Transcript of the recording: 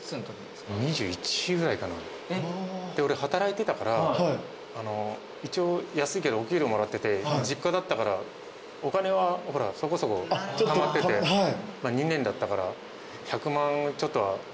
俺働いてたから一応安いけどお給料もらってて実家だったからお金はそこそこたまってて２年だったから。